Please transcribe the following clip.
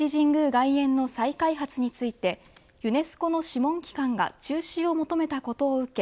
外苑の再開発についてユネスコの諮問機関が中止を求めたことを受け